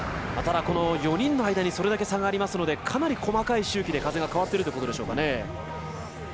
ただ、この４人の間にそれだけ差がありますのでかなり、細かい周期で風が変わってるということでしょうか。